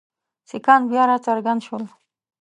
سیکهان بیا را څرګند شول.